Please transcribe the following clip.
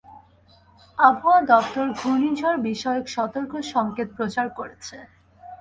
আবহাওয়া দপ্তর ঘূর্ণিঝড় বিষয়ক সতর্ক সংকেত প্রচার করছে।